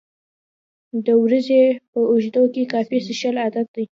د ورځې په اوږدو کې کافي څښل عادت دی.